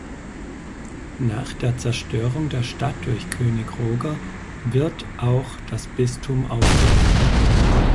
Nach der Zerstörung der Stadt durch König Roger wird auch das Bistum aufgehoben.